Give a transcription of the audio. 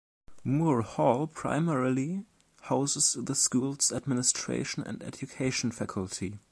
Moore Hall primarily houses the school's administration and education faculty.